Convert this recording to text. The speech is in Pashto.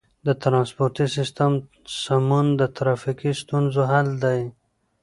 د ترانسپورتي سیستم سمون د ترافیکي ستونزو حل دی.